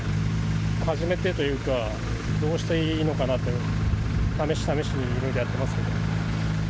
初めてというか、どうしていいのかなと、試し試しにいろいろやってますけど。